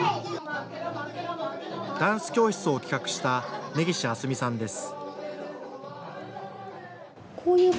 ダンス教室を企画した根岸あすみさんです。